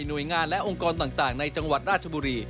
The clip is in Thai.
โดยงานและองค์กรต่างในจังหวัดราชบุรี